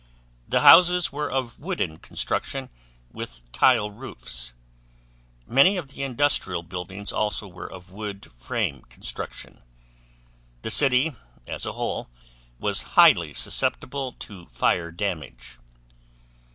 The houses were of wooden construction with tile roofs. Many of the industrial buildings also were of wood frame construction. The city as a whole was highly susceptible to fire damage.